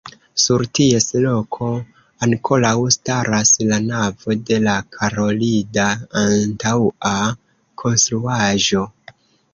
Sur ties loko ankoraŭ staras la navo de la karolida antaŭa konstruaĵo.